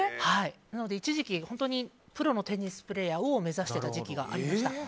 一時期、本当にプロのテニスプレーヤーを目指してた時期がありました。